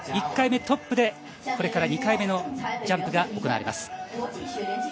１回目トップでこれから２回目のジャンプが行われます。